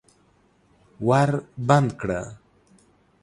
ور بند کړه!